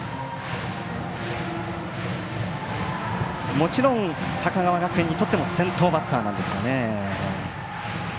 もちろん高川学園にとっても先頭バッターなんですよね。